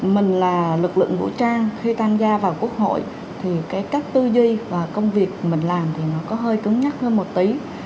mình là lực lượng vũ trang khi tham gia vào quốc hội thì cái cách tư duy và công việc mình làm thì nó có hơi cứng nhắc hơn một tí